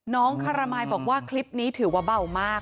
น้องขระไมค์บอกว่าคลิปนี้ถือว่าเบามาก